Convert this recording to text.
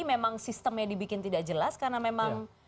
memang sistemnya dibikin tidak jelas karena memang